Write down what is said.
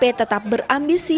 jika pdip tetap berambisi